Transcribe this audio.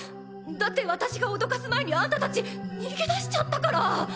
だって私がおどかす前にあんたたち逃げ出しちゃったから。